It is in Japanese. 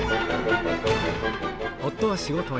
夫は仕事へ。